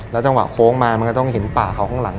จังหวะโค้งมามันก็ต้องเห็นป่าเขาข้างหลัง